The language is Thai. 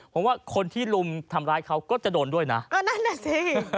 ผมว่าคนที่ลุมทำร้ายเขาก็จะโดนด้วยนะก็นั่นน่ะสิ